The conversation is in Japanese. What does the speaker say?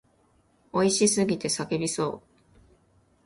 美味しすぎて叫びそう。